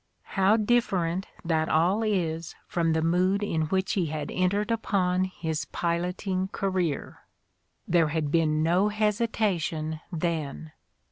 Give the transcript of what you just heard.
How different that all is from the mood in which he had entered upon his piloting career! There had been no hesitation then!